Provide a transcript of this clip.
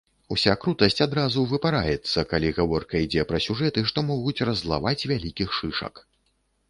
Уся крутасць адразу выпараецца, калі гаворка ідзе пра сюжэты, што могуць раззлаваць вялікіх шышак.